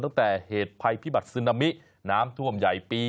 ตั้งแต่เหตุภัยพิบัตรซึนามิน้ำท่วมใหญ่ปี